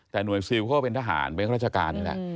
แต่หน่วยซิลเขาก็เป็นทหารเป็นข้าราชการนี่แหละ